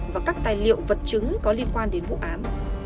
và các tài liệu vật chứng có liên quan đến vụ án